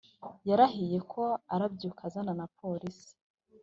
Yarahiye ko arabyuka azana na police